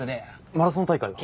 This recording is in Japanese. マラソン大会は？